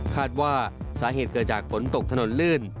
คาดว่าสาเหตุเกิดจากฝนตกถนนลื่น